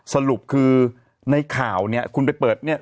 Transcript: สรุปคือในข่าวเนี่ยคุณไปเปิดเนี่ย